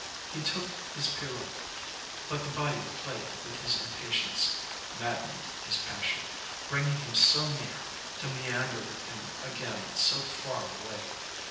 He took his pirogue; but the bayou played with his impatience, maddened his passion, bringing him so near, to meander with him again so far away.